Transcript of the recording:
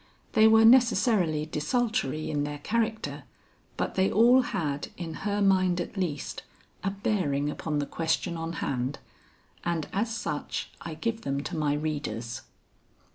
They were necessarily desultory in their character, but they all had, in her mind at least, a bearing upon the question on hand, and as such, I give them to my readers.